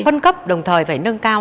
phân cấp đồng thời phải nâng cao